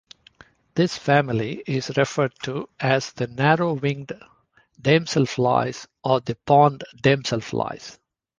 This family is referred to as the narrow-winged damselflies or the pond damselflies.